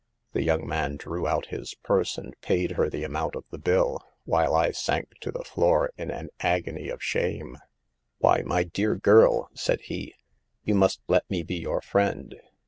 "< The young man drew out his purse and paid her the amount of her bill, while I sank to the floor in an agony of shame. " 5 " Wh Y> my dear girl," said he, « you must let me be your friend.